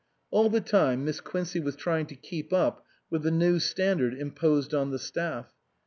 All the time Miss Quincey was trying to keep up with the new standard imposed on the staff.